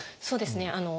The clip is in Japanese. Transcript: そうですね。